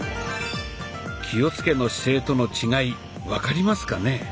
気をつけの姿勢との違い分かりますかね？